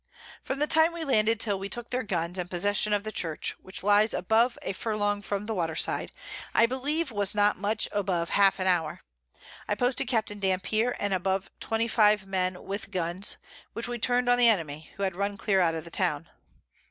From the Time we landed till we took their Guns, and Possession of the Church (which lies above a Furlong from the Water side) I believe was not much above half an hour: I posted Capt. Dampier and above 25 Men with the Guns, which we turned on the Enemy, who run clear out of the Town.